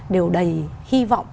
đều đầy hy vọng